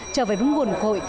trở về vùng nguồn cội